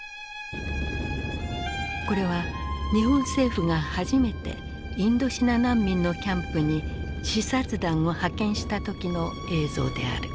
これは日本政府が初めてインドシナ難民のキャンプに視察団を派遣した時の映像である。